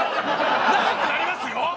長くなりますよ